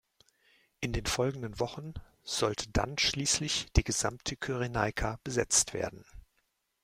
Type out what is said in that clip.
In den folgenden Wochen sollte dann schließlich die gesamte Kyrenaika besetzt werden.